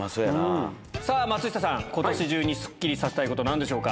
さあ松下さん、今年中にスッキリさせたいこと、なんでしょうか？